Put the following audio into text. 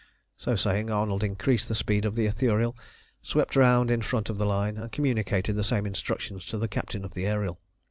So saying, Arnold increased the speed of the Ithuriel, swept round in front of the line, and communicated the same instructions to the captain of the Ariel.